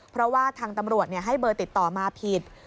เพราะว่าทางตำรวจให้เบอร์ติดต่อมาผิด